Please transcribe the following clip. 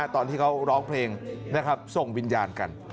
ตอนที่เขาร้องเพลงส่งวิญญาณกัน